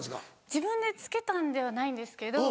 自分で付けたんではないんですけど。